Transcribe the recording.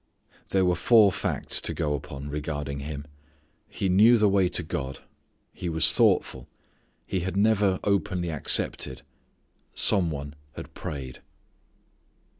There were four facts to go upon regarding him. He knew the way to God. He was thoughtful. He had never openly accepted. Some one had prayed.